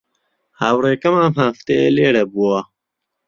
هاوڕێکەم ئەم هەفتەیە لێرە بووە.